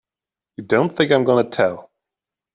You don't think I'm gonna tell!